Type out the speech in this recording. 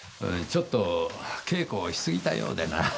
ちょっと稽古をしすぎたようでな。